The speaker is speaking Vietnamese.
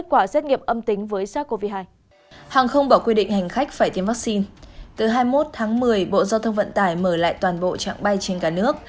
từ hai mươi một tháng một mươi bộ giao thông vận tải mở lại toàn bộ trạng bay trên cả nước